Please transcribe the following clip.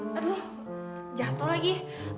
aduh jatoh lagi